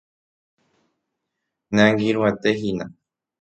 Ne angirũete hína.